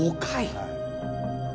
はい。